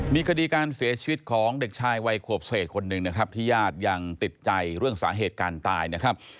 มีคดีการเสียชีวิตของเด็กชายวัยขวบเศษคนหนึ่งนะครับที่ญาติยังติดใจเรื่องสาเหตุการตายนะครับ